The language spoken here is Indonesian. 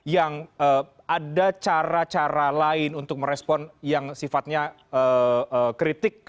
yang ada cara cara lain untuk merespon yang sifatnya kritik